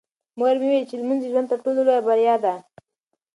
مور مې وویل چې لمونځ د ژوند تر ټولو لویه بریا ده.